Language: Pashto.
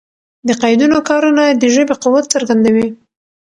د قیدونو کارونه د ژبي قوت څرګندوي.